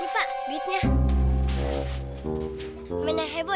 saat itu juga